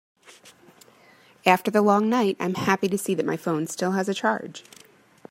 After the long night, I am happy to see that my phone still has a charge.